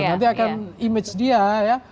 nanti akan image dia ya